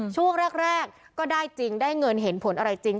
ช่วงแรกก็ได้จริงได้เงินเห็นผลอะไรจริง